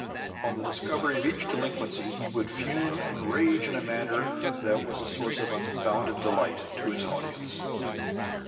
On the discovery of each delinquency he would fume and rage in a manner that was a source of unbounded delight to his audience.